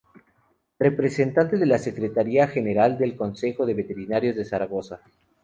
Representante de Ia Secretaria General en el Consejo de Veterinarios de Zaragoza.